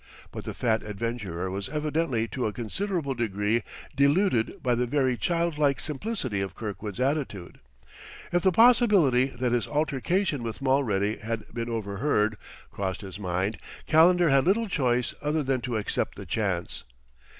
But the fat adventurer was evidently to a considerable degree deluded by the very child like simplicity of Kirkwood's attitude. If the possibility that his altercation with Mulready had been overheard, crossed his mind, Calendar had little choice other than to accept the chance.